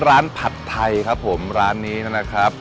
ผัดไทยครับผมร้านนี้นะครับ